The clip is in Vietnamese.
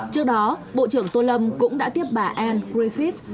trước đó bộ trưởng tô lâm cũng đã tiếp bà anne griffith